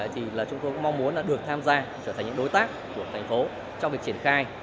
thì chúng tôi cũng mong muốn được tham gia trở thành những đối tác của thành phố trong việc triển khai